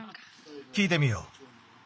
きいてみよう。